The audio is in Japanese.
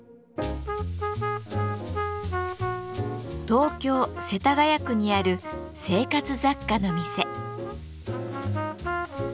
東京・世田谷区にある生活雑貨の店。